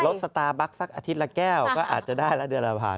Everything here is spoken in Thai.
สตาร์บัคสักอาทิตย์ละแก้วก็อาจจะได้ละเดือนละผ่าน